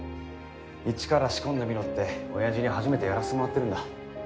一から仕込んでみろって親父に初めてやらせてもらってるんだ。